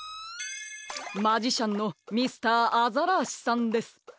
マジシャンのミスターアザラーシさんです。